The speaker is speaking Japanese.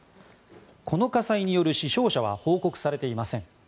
この火災による死傷者は報告されていません。